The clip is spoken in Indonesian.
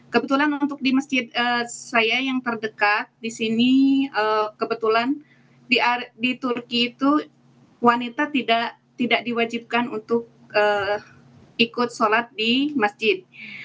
kebetulan untuk di masjid saya yang terdekat di sini kebetulan di turki itu wanita tidak diwajibkan untuk ikut sholat di masjid